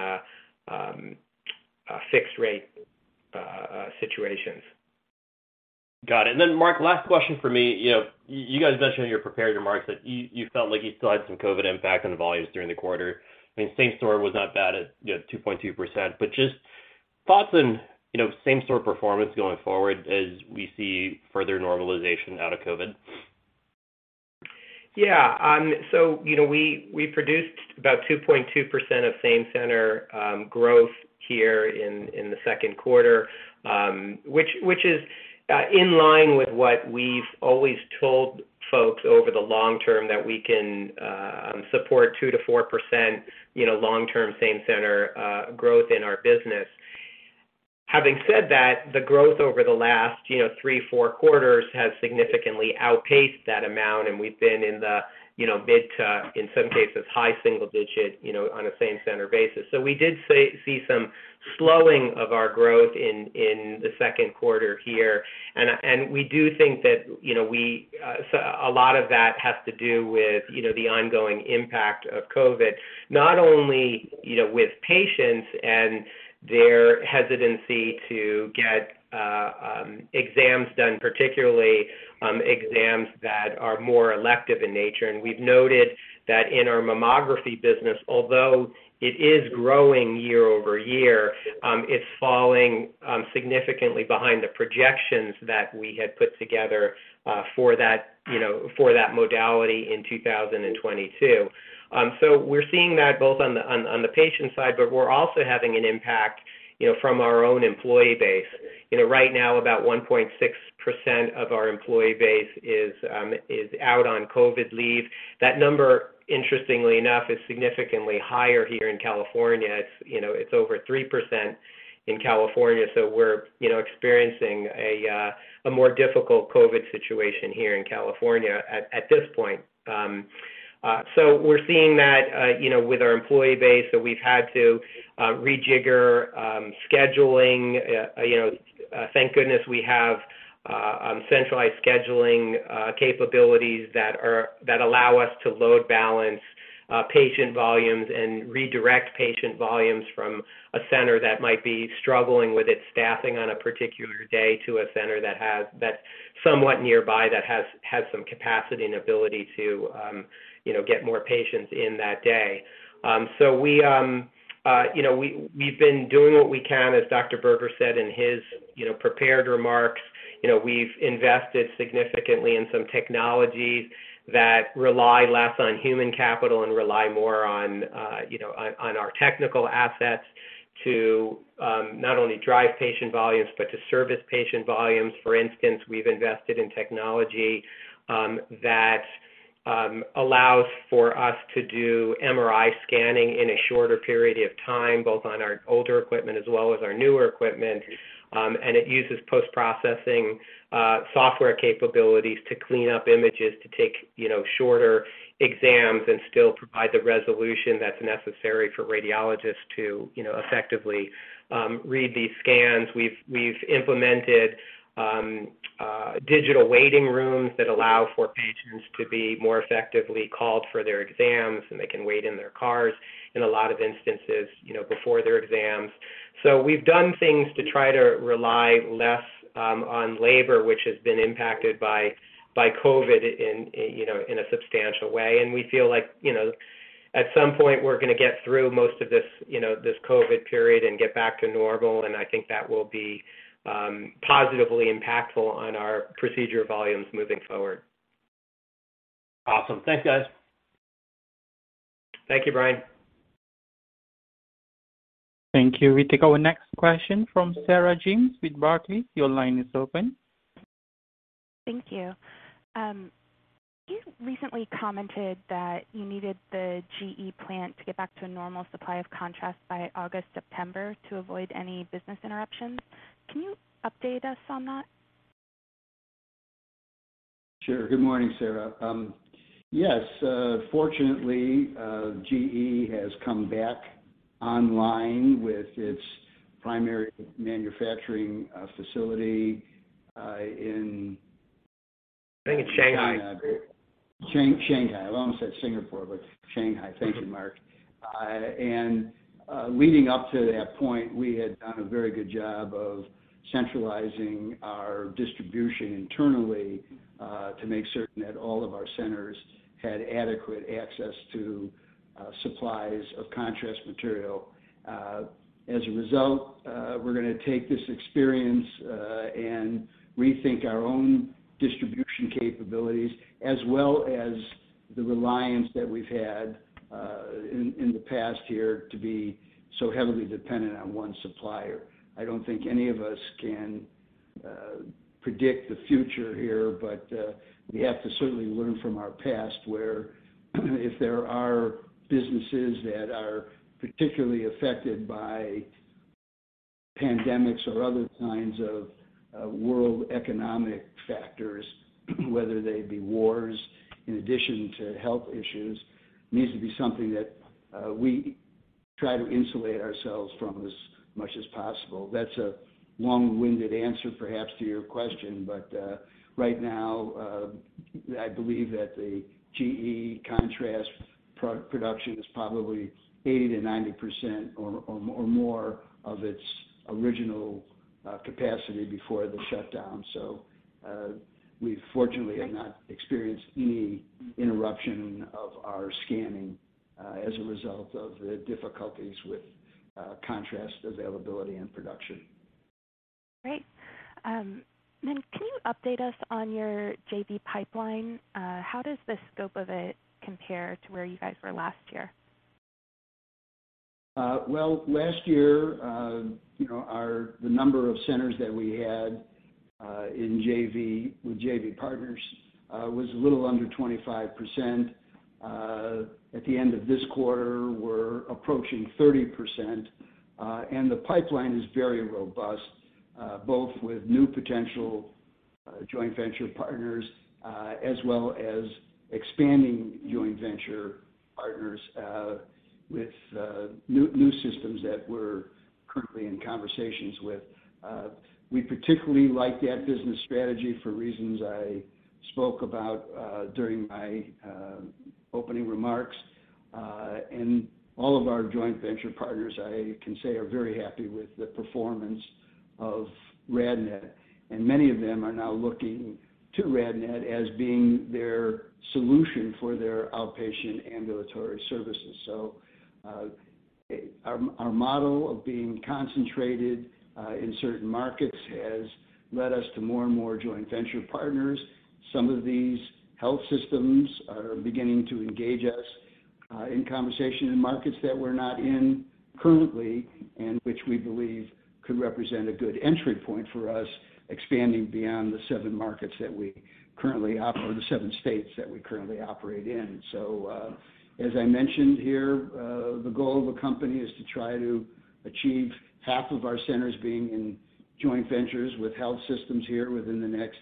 fixed rate situations. Got it. Mark, last question for me. You know, you guys mentioned in your prepared remarks that you felt like you still had some COVID impact on the volumes during the quarter. I mean, same store was not bad at, you know, 2.2%, but just thoughts on, you know, same store performance going forward as we see further normalization out of COVID. Yeah. So you know, we produced about 2.2% same-center growth here in the second quarter, which is in line with what we've always told folks over the long term that we can support 2%-4% long-term same-center growth in our business. Having said that, the growth over the last, you know, three to four quarters has significantly outpaced that amount, and we've been in the, you know, mid- to, in some cases, high-single-digit, you know, on a same-center basis. We did see some slowing of our growth in the second quarter here. We do think that, you know, so a lot of that has to do with, you know, the ongoing impact of COVID, not only, you know, with patients and their hesitancy to get exams done, particularly exams that are more elective in nature. We've noted that in our mammography business, although it is growing year-over-year, it's falling significantly behind the projections that we had put together for that, you know, for that modality in 2022. So we're seeing that both on the patient side, but we're also having an impact, you know, from our own employee base. You know, right now, about 1.6% of our employee base is out on COVID leave. That number, interestingly enough, is significantly higher here in California. It's, you know, it's over 3% in California, so we're, you know, experiencing a more difficult COVID situation here in California at this point. We're seeing that, you know, with our employee base, so we've had to rejigger scheduling. You know, thank goodness we have centralized scheduling capabilities that allow us to load balance patient volumes and redirect patient volumes from a center that might be struggling with its staffing on a particular day to a center that's somewhat nearby that has some capacity and ability to, you know, get more patients in that day. We've been doing what we can, as Dr. Berger said in his, you know, prepared remarks. You know, we've invested significantly in some technologies that rely less on human capital and rely more on, you know, on our technical assets to not only drive patient volumes but to service patient volumes. For instance, we've invested in technology that allows for us to do MRI scanning in a shorter period of time, both on our older equipment as well as our newer equipment. It uses post-processing software capabilities to clean up images to take, you know, shorter exams and still provide the resolution that's necessary for radiologists to, you know, effectively read these scans. We've implemented digital waiting rooms that allow for patients to be more effectively called for their exams, and they can wait in their cars in a lot of instances, you know, before their exams. We've done things to try to rely less on labor, which has been impacted by COVID in a substantial way. We feel like, you know, at some point we're gonna get through most of this, you know, this COVID period and get back to normal, and I think that will be positively impactful on our procedure volumes moving forward. Awesome. Thanks, guys. Thank you, Brian. Thank you. We take our next question from Sarah James with Barclays. Your line is open. Thank you. You recently commented that you needed the GE plant to get back to a normal supply of contrast by August, September to avoid any business interruptions. Can you update us on that? Sure. Good morning, Sarah. Yes, fortunately, GE has come back online with its primary manufacturing facility in- I think it's Shanghai. Shanghai. I almost said Singapore, but Shanghai. Thank you, Mark. Leading up to that point, we had done a very good job of centralizing our distribution internally to make certain that all of our centers had adequate access to supplies of contrast material. As a result, we're gonna take this experience and rethink our own distribution capabilities as well as the reliance that we've had in the past here to be so heavily dependent on one supplier. I don't think any of us can predict the future here, but we have to certainly learn from our past where if there are businesses that are particularly affected by pandemics or other kinds of world economic factors, whether they be wars in addition to health issues, needs to be something that we Try to insulate ourselves from as much as possible. That's a long-winded answer, perhaps, to your question, but right now, I believe that the GE contrast production is probably 80%-90% or more of its original capacity before the shutdown. We fortunately have not experienced any interruption of our scanning as a result of the difficulties with contrast availability and production. Great. Can you update us on your JV pipeline? How does the scope of it compare to where you guys were last year? Well, last year, you know, the number of centers that we had in JV with JV partners was a little under 25%. At the end of this quarter, we're approaching 30%. The pipeline is very robust, both with new potential joint venture partners as well as expanding joint venture partners with new systems that we're currently in conversations with. We particularly like that business strategy for reasons I spoke about during my opening remarks. All of our joint venture partners, I can say, are very happy with the performance of RadNet. Many of them are now looking to RadNet as being their solution for their outpatient ambulatory services. Our model of being concentrated in certain markets has led us to more and more joint venture partners. Some of these health systems are beginning to engage us in conversation in markets that we're not in currently, and which we believe could represent a good entry point for us, expanding beyond the seven states that we currently operate in. As I mentioned here, the goal of a company is to try to achieve half of our centers being in joint ventures with health systems here within the next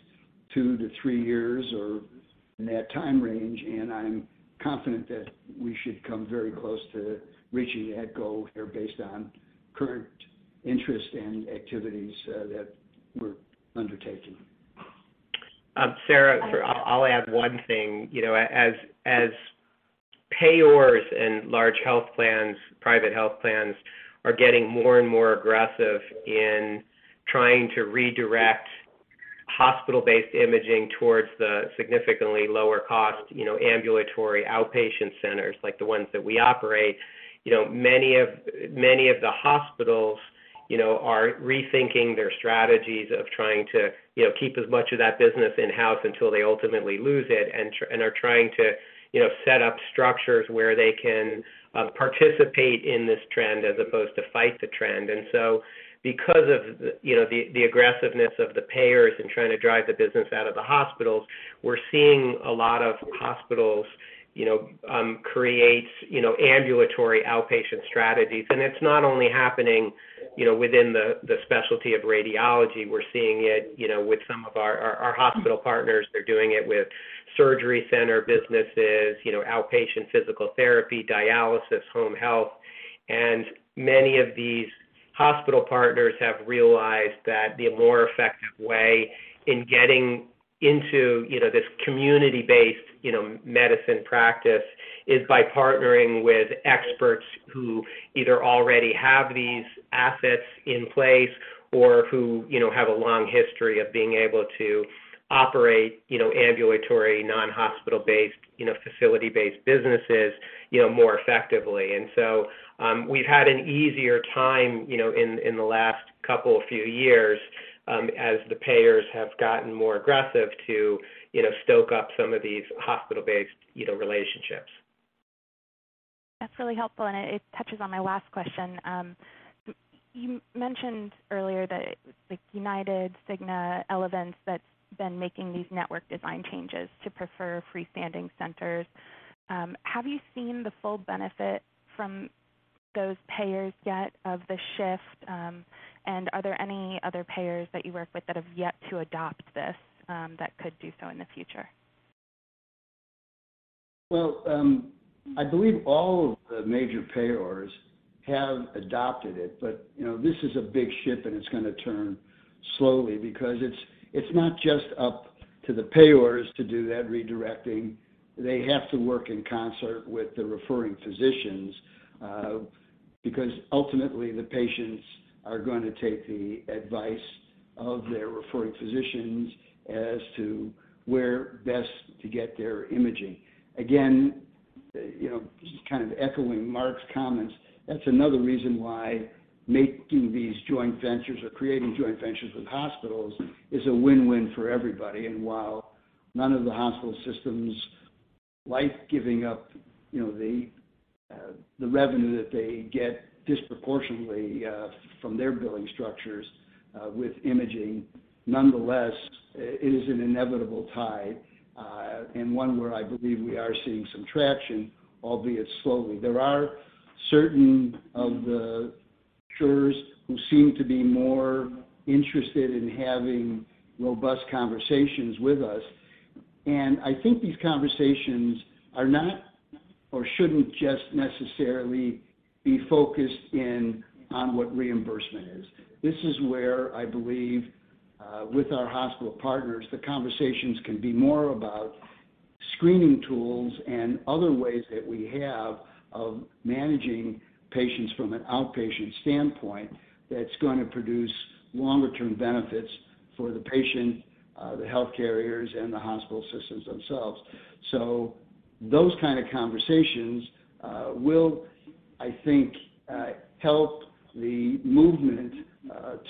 two to three years or in that time range. I'm confident that we should come very close to reaching that goal here based on current interest and activities that we're undertaking. Sarah, I'll add one thing. You know, as payers and large health plans, private health plans are getting more and more aggressive in trying to redirect hospital-based imaging towards the significantly lower cost, you know, ambulatory outpatient centers, like the ones that we operate, you know, many of the hospitals, you know, are rethinking their strategies of trying to, you know, keep as much of that business in-house until they ultimately lose it and are trying to, you know, set up structures where they can participate in this trend as opposed to fight the trend. Because of, you know, the aggressiveness of the payers in trying to drive the business out of the hospitals, we're seeing a lot of hospitals, you know, create ambulatory outpatient strategies. It's not only happening, you know, within the specialty of radiology. We're seeing it, you know, with some of our hospital partners. They're doing it with surgery center businesses, you know, outpatient physical therapy, dialysis, home health. Many of these hospital partners have realized that the more effective way in getting into, you know, this community-based, you know, medicine practice is by partnering with experts who either already have these assets in place or who, you know, have a long history of being able to operate, you know, ambulatory, non-hospital-based, you know, facility-based businesses, you know, more effectively. We've had an easier time, you know, in the last couple of few years, as the payers have gotten more aggressive to, you know, strike up some of these hospital-based, you know, relationships. That's really helpful, and it touches on my last question. You mentioned earlier that, like, United, Cigna, Elevance, that's been making these network design changes to prefer freestanding centers. Have you seen the full benefit from those payers yet of the shift? Are there any other payers that you work with that have yet to adopt this, that could do so in the future? Well, I believe all of the major payers have adopted it, but, you know, this is a big ship, and it's gonna turn slowly because it's not just up to the payers to do that redirecting. They have to work in concert with the referring physicians, because ultimately, the patients are gonna take the advice of their referring physicians as to where best to get their imaging. Again, you know, just kind of echoing Mark's comments, that's another reason why making these joint ventures or creating joint ventures with hospitals is a win-win for everybody. While none of the hospital systems like giving up, you know, the revenue that they get disproportionately from their billing structures with imaging, nonetheless, it is an inevitable tide, and one where I believe we are seeing some traction, albeit slowly. There are certain of them who seem to be more interested in having robust conversations with us. I think these conversations are not or shouldn't just necessarily be focused in on what reimbursement is. This is where I believe, with our hospital partners, the conversations can be more about screening tools and other ways that we have of managing patients from an outpatient standpoint that's gonna produce longer term benefits for the patient, the healthcare carriers and the hospital systems themselves. Those kind of conversations will, I think, help the movement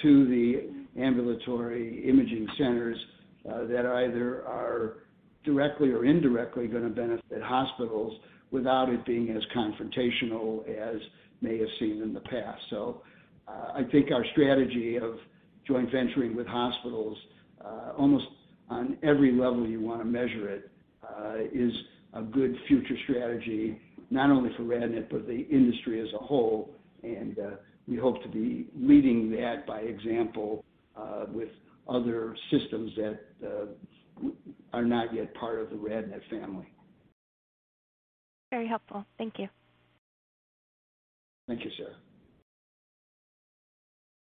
to the ambulatory imaging centers that either are directly or indirectly gonna benefit hospitals without it being as confrontational as we may have seen in the past. I think our strategy of joint venturing with hospitals, almost on every level you wanna measure it, is a good future strategy, not only for RadNet, but the industry as a whole. We hope to be leading that by example, with other systems that are not yet part of the RadNet family. Very helpful. Thank you. Thank you, Sarah.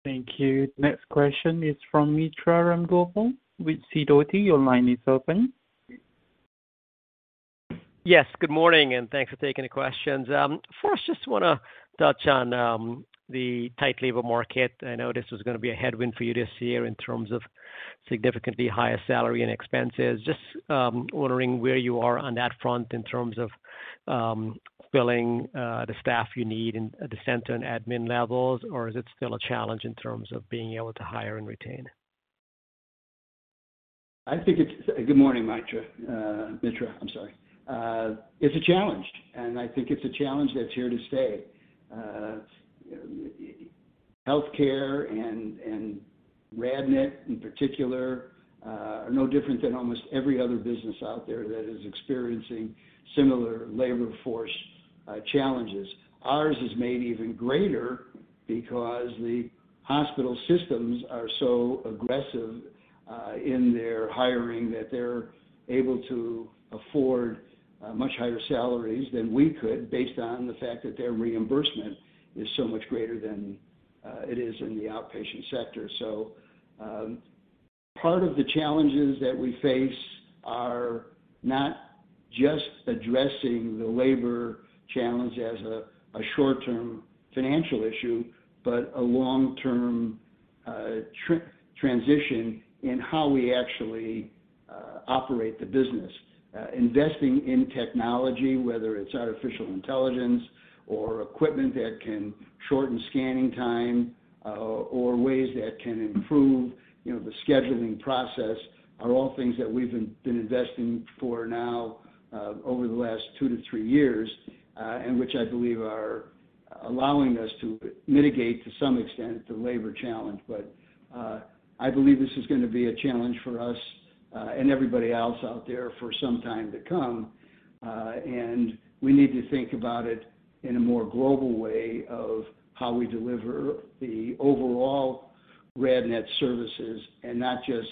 Thank you. Next question is from Mitra Ramgopal with Sidoti. Your line is open. Yes, good morning, and thanks for taking the questions. First, just wanna touch on the tight labor market. I know this was gonna be a headwind for you this year in terms of significantly higher salary and expenses. Just wondering where you are on that front in terms of filling the staff you need in at the center and admin levels, or is it still a challenge in terms of being able to hire and retain? Good morning, Mitra. Mitra, I'm sorry. It's a challenge, and I think it's a challenge that's here to stay. Healthcare and RadNet in particular are no different than almost every other business out there that is experiencing similar labor force challenges. Ours is made even greater because the hospital systems are so aggressive in their hiring that they're able to afford much higher salaries than we could based on the fact that their reimbursement is so much greater than it is in the outpatient sector. Part of the challenges that we face are not just addressing the labor challenge as a short term financial issue, but a long term transition in how we actually operate the business. Investing in technology, whether it's artificial intelligence or equipment that can shorten scanning time or ways that can improve, you know, the scheduling process, are all things that we've been investing for now, over the last two to three years, and which I believe are allowing us to mitigate to some extent the labor challenge. I believe this is gonna be a challenge for us and everybody else out there for some time to come. We need to think about it in a more global way of how we deliver the overall RadNet services and not just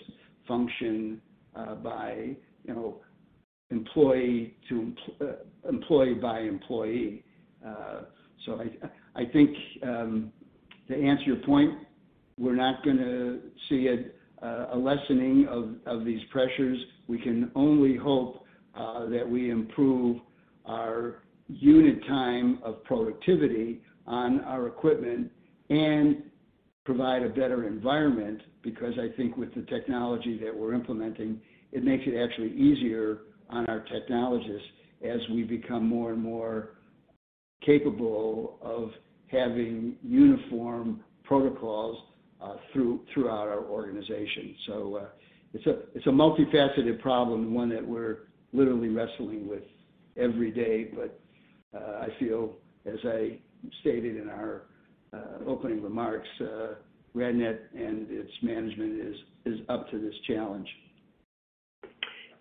function by, you know, employee by employee. I think to answer your point, we're not gonna see a lessening of these pressures. We can only hope that we improve our unit time of productivity on our equipment and provide a better environment, because I think with the technology that we're implementing, it makes it actually easier on our technologists as we become more and more capable of having uniform protocols throughout our organization. It's a multifaceted problem, one that we're literally wrestling with every day. I feel, as I stated in our opening remarks, RadNet and its management is up to this challenge.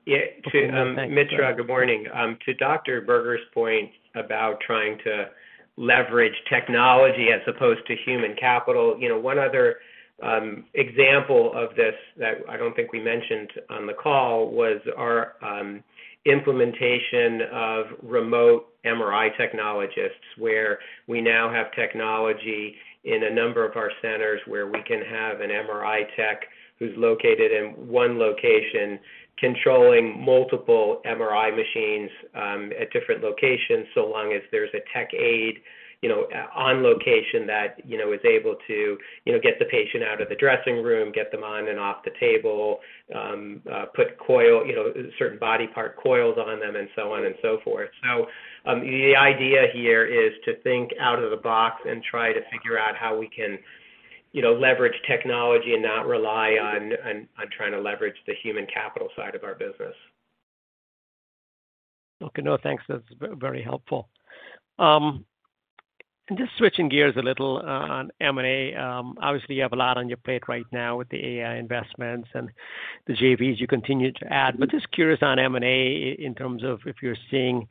Yeah. Okay. Thank you. Mitra, good morning. To Dr. Berger's point about trying to leverage technology as opposed to human capital, you know, one other example of this that I don't think we mentioned on the call was our implementation of remote MRI technologists. Where we now have technology in a number of our centers where we can have an MRI tech who's located in one location, controlling multiple MRI machines at different locations, so long as there's a tech aid, you know, on location that, you know, is able to, you know, get the patient out of the dressing room, get them on and off the table, put coil, you know, certain body part coils on them and so on and so forth. The idea here is to think out of the box and try to figure out how we can, you know, leverage technology and not rely on trying to leverage the human capital side of our business. Okay. No, thanks. That's very helpful. Just switching gears a little on M&A. Obviously, you have a lot on your plate right now with the AI investments and the JVs you continue to add. Just curious on M&A in terms of if you're seeing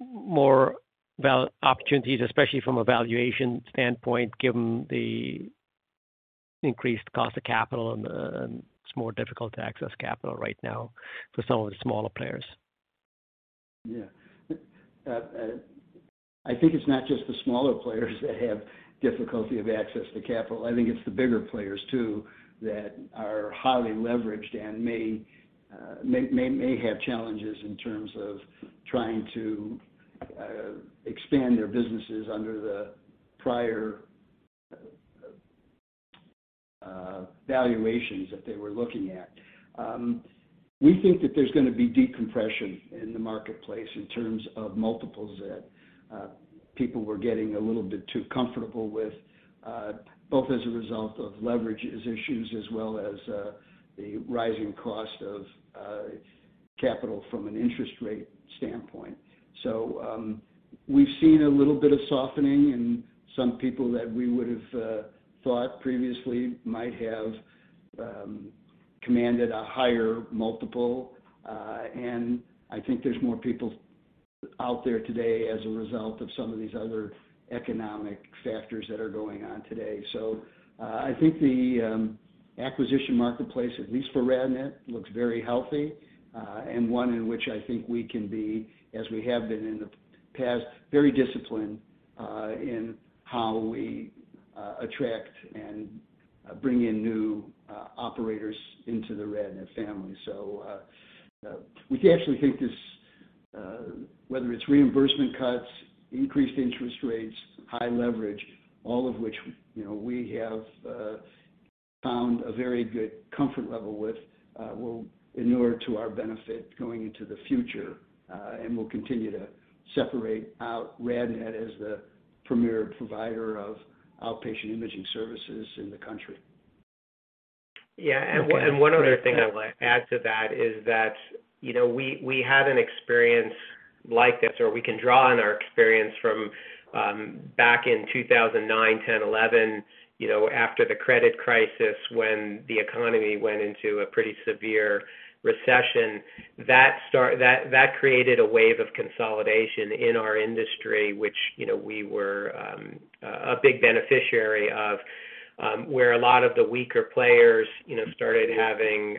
more opportunities, especially from a valuation standpoint, given the increased cost of capital and it's more difficult to access capital right now for some of the smaller players. Yeah. I think it's not just the smaller players that have difficulty of access to capital. I think it's the bigger players too, that are highly leveraged and may have challenges in terms of trying to expand their businesses under the prior valuations that they were looking at. We think that there's gonna be compression in the marketplace in terms of multiples that people were getting a little bit too comfortable with, both as a result of leverage issues as well as the rising cost of capital from an interest rate standpoint. We've seen a little bit of softening in some people that we would've thought previously might have commanded a higher multiple. I think there's more people out there today as a result of some of these other economic factors that are going on today. I think the acquisition marketplace, at least for RadNet, looks very healthy, and one in which I think we can be, as we have been in the past, very disciplined, in how we attract and bring in new operators into the RadNet family. We actually think this, whether it's reimbursement cuts, increased interest rates, high leverage, all of which, you know, we have found a very good comfort level with, will inure to our benefit going into the future, and will continue to separate out RadNet as the premier provider of outpatient imaging services in the country. Yeah. One other thing I'd like to add to that is that, you know, we had an experience like this, or we can draw on our experience from back in 2009, 2010, 2011, you know, after the credit crisis when the economy went into a pretty severe recession. That created a wave of consolidation in our industry, which, you know, we were a big beneficiary of, where a lot of the weaker players, you know, started having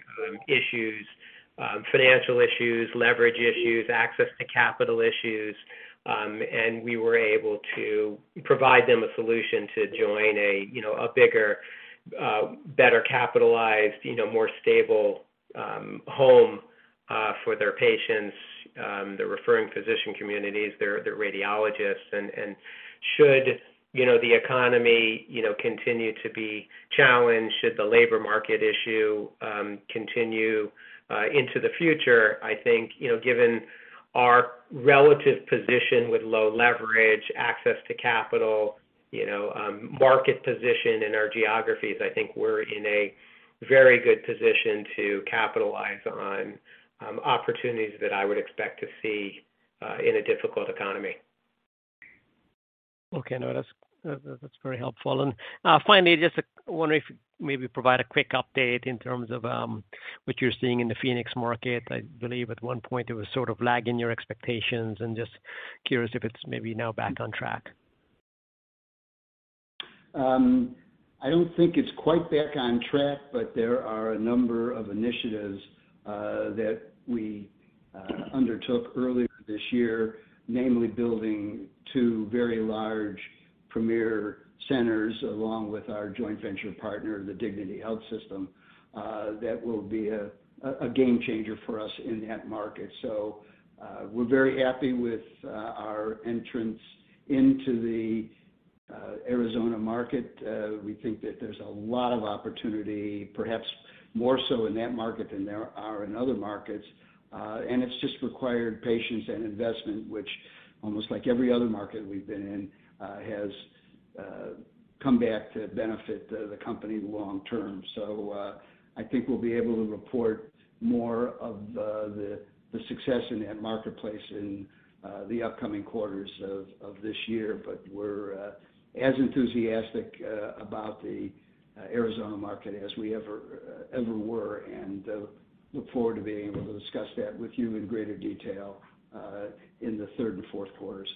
issues, financial issues, leverage issues, access to capital issues. We were able to provide them a solution to join a, you know, bigger, better capitalized, you know, more stable home for their patients, their referring physician communities, their radiologists. Should, you know, the economy, you know, continue to be challenged, should the labor market issue continue into the future, I think, you know, given our relative position with low leverage, access to capital, you know, market position in our geographies, I think we're in a very good position to capitalize on opportunities that I would expect to see in a difficult economy. Okay. No, that's very helpful. Finally, just wondering if maybe provide a quick update in terms of what you're seeing in the Phoenix market. I believe at one point it was sort of lagging your expectations, and just curious if it's maybe now back on track? I don't think it's quite back on track, but there are a number of initiatives that we undertook earlier this year, namely building two very large premier centers along with our joint venture partner, the Dignity Health, that will be a game changer for us in that market. We're very happy with our entrance into the Arizona market. We think that there's a lot of opportunity, perhaps more so in that market than there are in other markets. It's just required patience and investment, which almost like every other market we've been in has come back to benefit the company long term. I think we'll be able to report more of the success in that marketplace in the upcoming quarters of this year. We're as enthusiastic about the Arizona market as we ever were, and look forward to being able to discuss that with you in greater detail in the third and fourth quarters.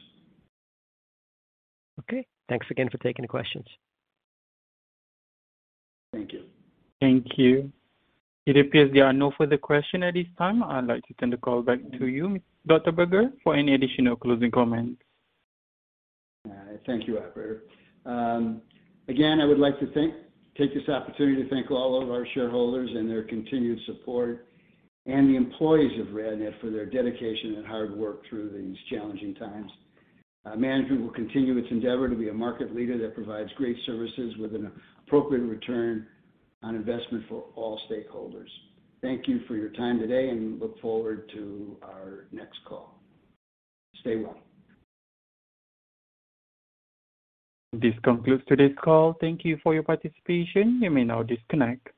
Okay. Thanks again for taking the questions. Thank you. Thank you. It appears there are no further question at this time. I'd like to turn the call back to you, Dr. Berger, for any additional closing comments. Thank you, Albert. Again, I would like to take this opportunity to thank all of our shareholders and their continued support and the employees of RadNet for their dedication and hard work through these challenging times. Management will continue its endeavor to be a market leader that provides great services with an appropriate return on investment for all stakeholders. Thank you for your time today, and we look forward to our next call. Stay well. This concludes today's call. Thank you for your participation. You may now disconnect.